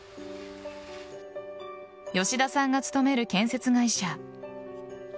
吉田さんが勤める建設会社。